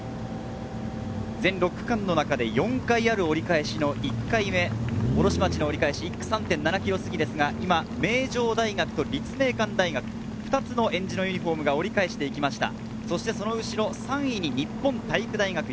全６区間の中で４回ある折り返しの１回目、卸町折り返し、１区、３．７ｋｍ過ぎですが今、名城大学と立命館大学２つのえんじのユニホームが折り返していきました。